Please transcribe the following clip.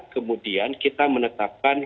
kemudian kita menetapkan